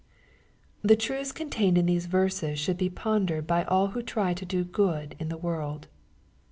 The truths contained in these verses should be pondered by all who try to do good in the world.